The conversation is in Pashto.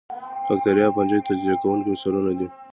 باکتریا او فنجي د تجزیه کوونکو مثالونه دي